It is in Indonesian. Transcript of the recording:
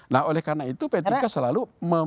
nah oleh karena itu p tiga selalu